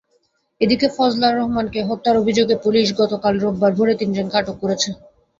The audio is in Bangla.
এদিকে ফজলার রহমানকে হত্যার অভিযোগে পুলিশ গতকাল রোববার ভোরে তিনজনকে আটক করেছে।